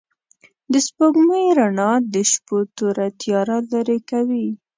د سپوږمۍ رڼا د شپو توره تياره لېرې کوي.